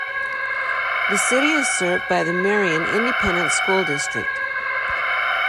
The city is served by the Marion Independent School District.